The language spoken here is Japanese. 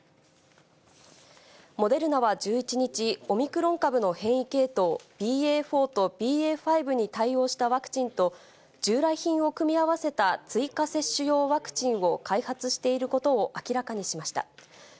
モデルナは１１日、オミクロン株の変異系統、ＢＡ．４とＢＡ．５に対応したワクチンと、従来品を組み合わせた追加接種用ワクチンを開発していることを明らかにしました。